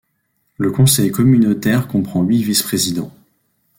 Le conseil communautaire comprend huit vice-présidents.